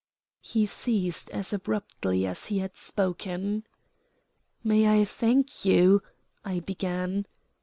He ceased as abruptly as he had spoken. "May I thank you " I began.